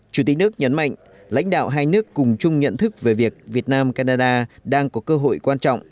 chủ tịch nước nhấn mạnh lãnh đạo hai nước cùng chung nhận thức về việc việt nam canada đang có cơ hội quan trọng